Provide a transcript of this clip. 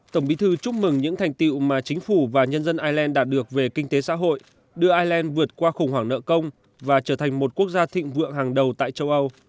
tổng bí thư chúc mừng những thành tiệu mà chính phủ và nhân dân ireland đạt được về kinh tế xã hội đưa ireland vượt qua khủng hoảng nợ công và trở thành một quốc gia thịnh vượng hàng đầu tại châu âu